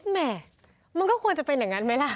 แหม่มันก็ควรจะเป็นอย่างนั้นไหมล่ะ